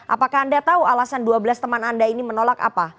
apakah anda tahu alasan dua belas teman anda ini menolak apa